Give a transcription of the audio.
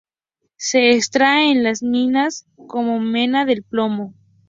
Se extrae en las minas como mena del plomo.